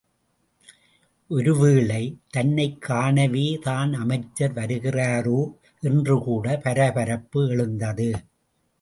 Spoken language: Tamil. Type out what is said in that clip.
ஒருவேளை, தன்னைக் காணவே தான் அமைச்சர் வருகிறாரோ என்று கூட பரபரப்பு எழுந்தது.